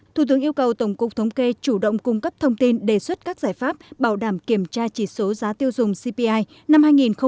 thủ tướng yêu cầu tổng cục thống kê chủ động cung cấp thông tin đề xuất các giải pháp bảo đảm kiểm tra chỉ số giá tiêu dùng cpi năm hai nghìn hai mươi